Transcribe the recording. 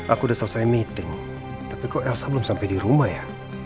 aku udah selesai meeting tapi kok elsa belum sampai di rumah ya